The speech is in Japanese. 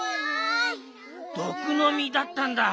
どくのみだったんだ。